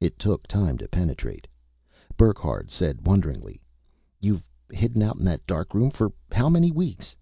It took time to penetrate. Burckhardt said wonderingly, "You've hidden out in that darkroom for how many weeks?"